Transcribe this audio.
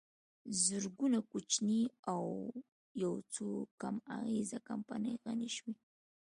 زرګونه کوچنۍ او یوڅو کم اغېزه کمپنۍ غني شوې